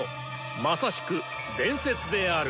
まさしく伝説である！